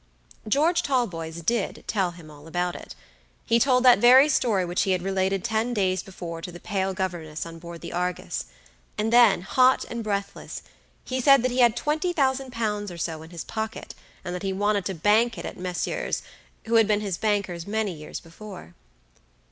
George Talboys did tell him all about it. He told that very story which he had related ten days before to the pale governess on board the Argus; and then, hot and breathless, he said that he had twenty thousand pounds or so in his pocket, and that he wanted to bank it at Messrs. , who had been his bankers many years before.